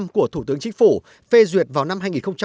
của thủ tướng chính phủ phê duyệt vào năm hai nghìn một mươi bảy